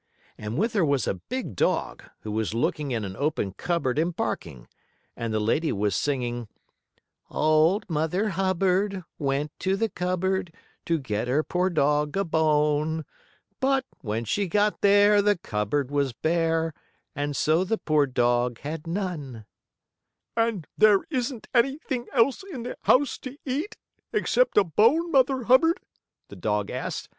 And with her was a big dog, who was looking in an open cupboard and barking. And the lady was singing: "Old Mother Hubbard Went to the cupboard To get her poor dog a bone. But, when she got there, The cupboard was bare, And so the poor dog had none." "And isn't there anything else in the house to eat, except a bone, Mother Hubbard?" the dog asked.